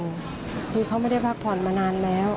ให้เขาพักผ่อนคือเขาไม่ได้พักผ่อนมานานแล้ว